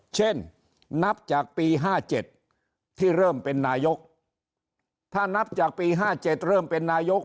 เช่นนับจากปี๕๗ที่เริ่มเป็นนายกถ้านับจากปี๕๗เริ่มเป็นนายก